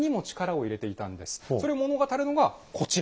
それを物語るのがこちら。